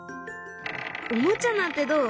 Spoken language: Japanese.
おもちゃなんてどう？